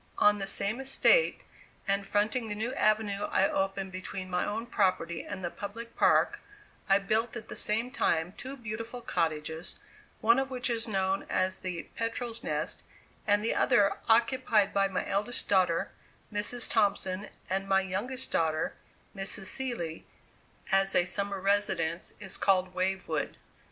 On the same estate, and fronting the new avenue I opened between my own property and the public park, I built at the same time two beautiful cottages, one of which is known as the "Petrel's Nest," and the other, occupied by my eldest daughter, Mrs. Thompson, and my youngest daughter, Mrs. Seeley, as a summer residence, is called "Wavewood."